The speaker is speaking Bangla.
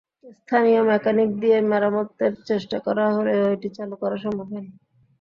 স্থানীয় মেকানিক দিয়ে মেরামতের চেষ্টা করা হলেও এটি চালু করা সম্ভব হয়নি।